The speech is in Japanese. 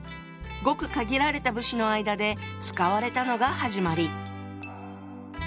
ごく限られた武士の間で使われたのが始まり。